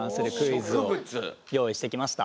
用意してきました。